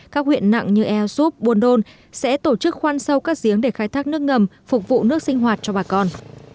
các huyện nặng như eosup buon don sẽ tổ chức khoan sâu các giếng để khai thác nước ngầm phục vụ nước sinh hoạt cho bà con